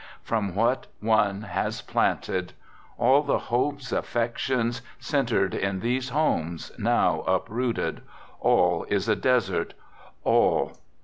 From what one has planted ! All the hopes, affections, centered 6o "THE GOOD SOLDIER" in these homes, now uprooted! All is a desert, all.